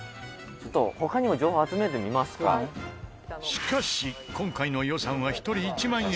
しかし今回の予算は１人１万円。